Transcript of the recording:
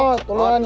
mot tulungan ya